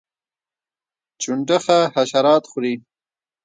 چنډخه حشرات خوري